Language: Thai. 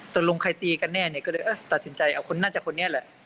ตกลงใครตีกันแน่เนี่ยก็เลยตัดสินใจเอาคนน่าจะคนนี้แหละ